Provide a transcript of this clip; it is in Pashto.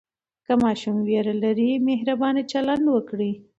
که ماشوم ویره لري، مهربانه چلند وکړئ.